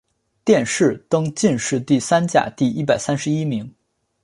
殿试登进士第三甲第一百三十一名。